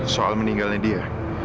soal meninggalnya dia